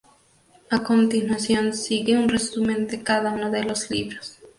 A continuación sigue un resumen de cada uno de los libros.